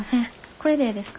これでええですか？